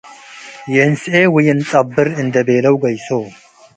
ይእንስኤ ወይእንጸብር!” እንዴ ቤለዉ ገይሶ ።